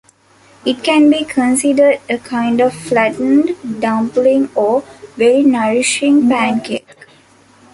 It can be considered a kind of flattened dumpling or very nourishing pancake.